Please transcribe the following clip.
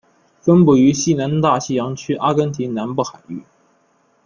分布于西南大西洋区阿根廷南部海域。